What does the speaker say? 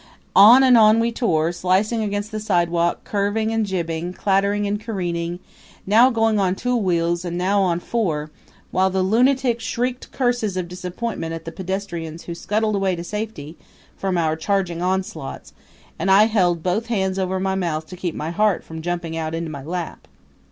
On and on we tore, slicing against the sidewalk, curving and jibbing, clattering and careening now going on two wheels and now on four while the lunatic shrieked curses of disappointment at the pedestrians who scuttled away to safety from our charging onslaughts; and I held both hands over my mouth to keep my heart from jumping out into my lap.